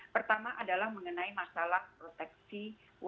pertama adalah mengenai masalah proteksi